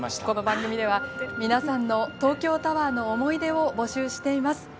この番組では皆さんの東京タワーの思い出を募集しています。